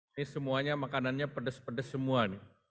ini semuanya makanannya pedes pedes semua nih